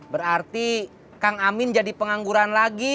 berarti kang amin jadi pengangguran lagi